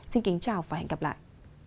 xin kính chào và hẹn gặp lại